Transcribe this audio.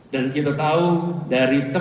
dan kita tahu dari tersebut